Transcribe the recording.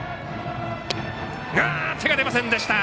手が出ませんでした。